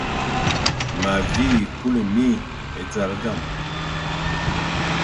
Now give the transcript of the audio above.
Ma vi kule mie e zal dam,